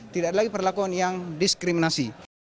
tidak ada lagi perlakuan yang diskriminasi